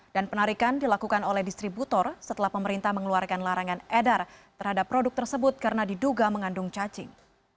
penarikan dilakukan oleh distributor setelah pemerintah mengeluarkan larangan edar terhadap produk tersebut karena diduga mengandung cacing